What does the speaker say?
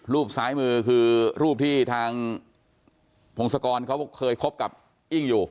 ซ้ายมือคือรูปที่ทางพงศกรเขาเคยคบกับอิ้งอยู่